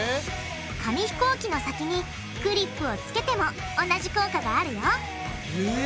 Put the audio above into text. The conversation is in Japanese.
紙ひこうきの先にクリップをつけても同じ効果があるよへぇ。